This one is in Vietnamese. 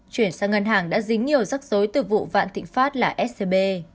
chuyển sang ngân hàng đã dính nhiều rắc rối từ vụ vạn thịnh pháp là scb